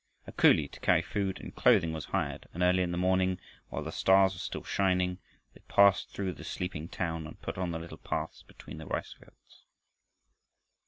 A coolie to carry food and clothing was hired, and early in the morning, while the stars were still shining, they passed through the sleeping town and out on the little paths between the rice fields.